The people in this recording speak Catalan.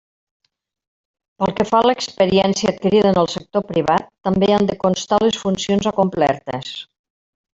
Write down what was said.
Pel que fa a l'experiència adquirida en el sector privat, també han de constar les funcions acomplertes.